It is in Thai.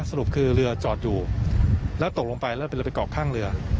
สรุปคือเรือจอดอยู่แล้วตกลงไปแล้วเป็นเรือไปเกาะข้างเรือ